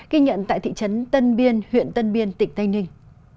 ghi nhận tại thị trấn tân biên huyện tân biên tỉnh tây ninh